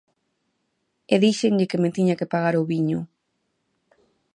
E díxenlle que me tiña que pagar o viño.